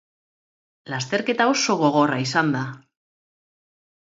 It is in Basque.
Lasterketa oso gogorra izan da.